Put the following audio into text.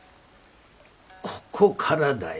ここからだよ。